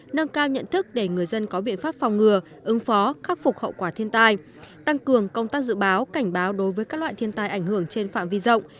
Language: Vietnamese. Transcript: nâng cao nhận thức để người dân có biện pháp phòng ngừa ứng phó khắc phục hậu quả thiên tai tăng cường công tác dự báo cảnh báo đối với các loại thiên tai ảnh hưởng trên phạm vi rộng